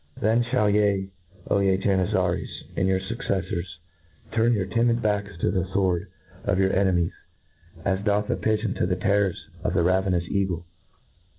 Then fliall ye, O ye Janizaries, in your fuccdOTors, turn your timid backs to the fword of your enemies, as doth a pigeon to the ter rors of the ravenous eagle.